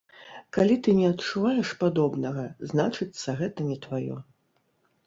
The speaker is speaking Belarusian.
Калі ты не адчуваеш падобнага, значыцца, гэта не тваё.